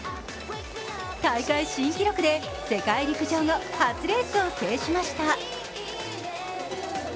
大会新記録で世界陸上後初レースを制しました。